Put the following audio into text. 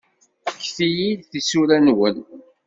Fket-iyi-d tisura-nwen.